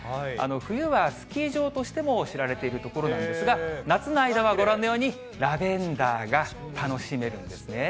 冬はスキー場としても知られている所なんですが、夏の間はご覧のように、ラベンダーが楽しめるんですね。